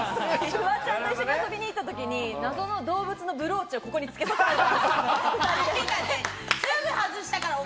フワちゃんと遊びに行った時、謎の動物のブローチをここに付けさせられた。